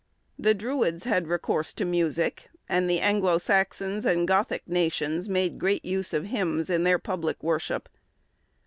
The Druids had recourse to music, and the Anglo Saxons and Gothic nations made great use of hymns in their public worship.